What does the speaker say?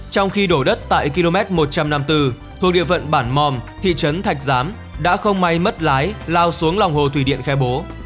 trong khi đổ đất tại km một trăm năm mươi bốn thuộc địa phận bản mòm thị trấn thạch giám đã không may mất lái lao xuống lòng hồ thủy điện khe bố